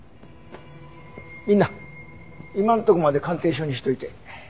みんな今のとこまで鑑定書にしといて。